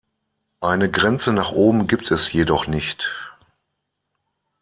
Eine Grenze nach oben gibt es jedoch nicht.